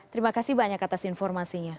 terima kasih banyak atas informasinya